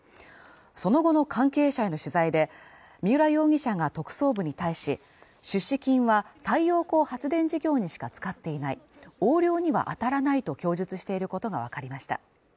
その後の関係者への取材で三浦容疑者が特捜部に対し、出資金は、太陽光発電事業にしか使っていない横領には当たらないと供述していることがわかりました。